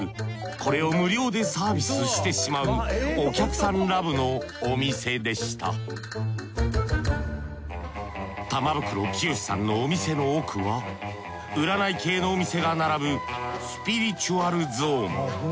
これを無料でサービスしてしまうお客さんラブのお店でした玉袋清さんのお店の奥は占い系のお店が並ぶスピリチュアルゾーン。